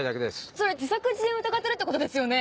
それ自作自演を疑ってるってことですよね